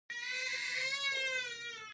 زیره په خوړو کې خوند پیدا کوي